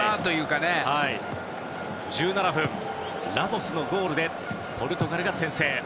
１７分にラモスのゴールでポルトガルが先制。